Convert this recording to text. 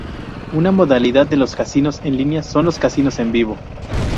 Una modalidad de los casinos en línea son los casinos en vivo.